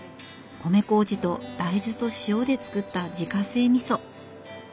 米こうじと大豆と塩でつくった自家製みそ。